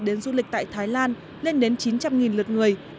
đến du lịch tại thái lan lên đến chín trăm linh lượt người